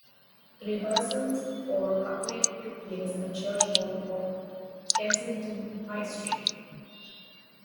Rehearsals for "Coupling" took place in a church hall off Kensington High Street.